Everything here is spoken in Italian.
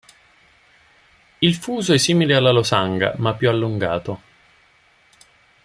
Il "fuso" è simile alla losanga, ma più allungato.